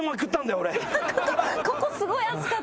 ここすごい熱かったですね